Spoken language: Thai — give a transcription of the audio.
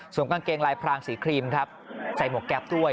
กางเกงลายพรางสีครีมครับใส่หมวกแก๊ปด้วย